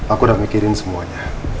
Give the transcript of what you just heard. aku udah mikirin semuanya